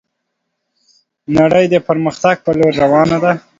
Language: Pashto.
نړي د پرمختګ په لور روانه ده